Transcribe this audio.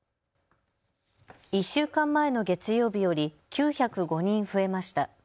１週間前の月曜日より９０５人増えました。